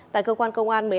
tại cơ quan công an